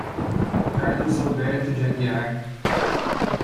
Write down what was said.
Carlos Alberto de Aguiar